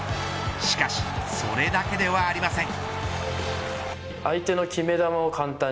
しかしそれだけではありません。